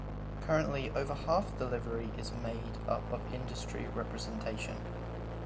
Currently, over half the Livery is made up of industry representation.